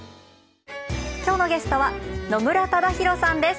今日のゲストは野村忠宏さんです。